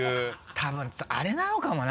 多分あれなのかもな